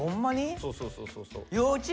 そうそうそうそうそう。